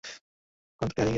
গ্রন্থটি হারিয়ে গিয়েছে।